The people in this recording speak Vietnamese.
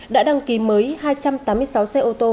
đã đăng ký mới hai trăm tám mươi sáu xe ô tô